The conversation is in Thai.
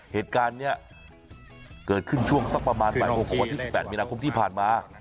เหตุการณ์เนี้ยเกิดขึ้นช่วงสักประมาณประมาณคือคลมที่ที่สิบแปดมีนาคมที่ผ่านมา